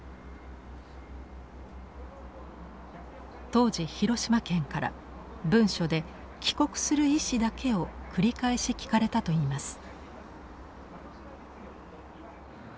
当時広島県から文書で帰国する意思だけを繰り返し聞かれたといいます。